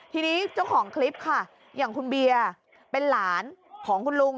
ทีนี้เจ้าของคลิปค่ะอย่างคุณเบียร์เป็นหลานของคุณลุง